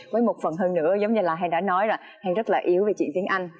với một phần hơn nữa giống như là hèn đã nói là hèn rất là yếu về chuyện tiếng anh